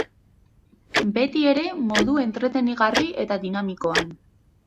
Beti ere modu entretenigarri eta dinamikoan.